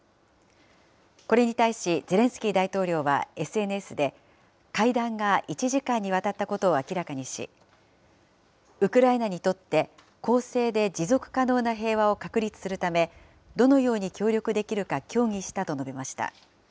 これに対しゼレンスキー大統領はＳＮＳで、会談が１時間にわたったことを明らかにし、ウクライナにとって公正で持続可能な平和を確立するため、どのように協力できるか協議したと述べました。